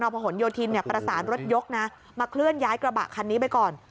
พหนโยธินประสานรถยกนะมาเคลื่อนย้ายกระบะคันนี้ไปก่อน